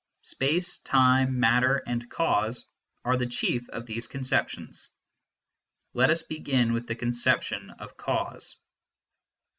Space, time, matter and cause, are the chief of these conceptions. Let us begin with the conception of cause.